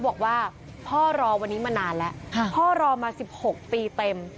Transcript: บอกว่าพ่อรอวันนี้มานานแล้วพ่อรอมา๑๖ปีเต็ม